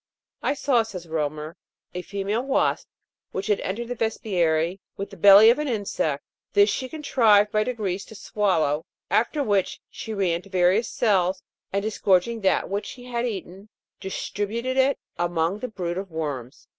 'I saw,' says Reaumur, 'a female wasp, which had entered the vespiary with the belly of an insect ; this she contrived by degrees to swallow, after which she ran to various cells, and disgorging that which she had eaten, distributed it among the brood of worms.'